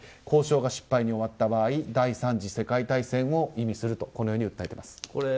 交渉が失敗に終わった場合第３次世界大戦を意味すると訴えています。